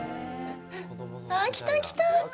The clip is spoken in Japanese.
あー、来た来た。